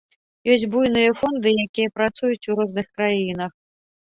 Ёсць буйныя фонды, якія працуюць у розных краінах.